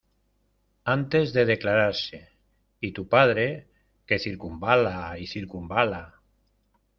antes de declararse, y tu padre , que circunvala y circunvala